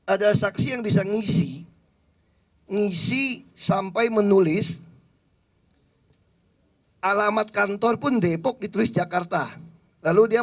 ada saksi yang bisa ngisi ngisi sampai menulis alamat kantor pun depok ditulis jakarta lalu dia